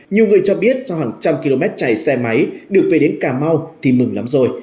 nhiều người cho biết sau hàng trăm km chạy xe máy được về đến cà mau thì mừng lắm rồi